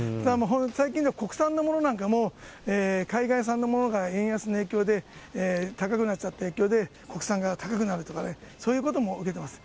最近では国産のものなんかも、海外産のものが円安の影響で高くなっちゃった影響で、国産が高くなるとかね、そういうことも出てます。